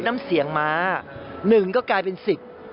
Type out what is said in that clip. น้ำเสียงม้าหนึ่งก็กลายเป็นสิบ